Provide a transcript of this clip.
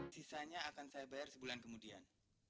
sisa nya akan saya bayar sebulan kemudian